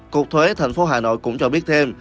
cục thuế thành phố hà nội cũng cho biết thêm